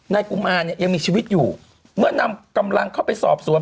กุมารเนี่ยยังมีชีวิตอยู่เมื่อนำกำลังเข้าไปสอบสวน